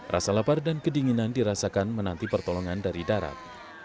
rasa lapar dan kedinginan dirasakan menanti pertolongan dari darat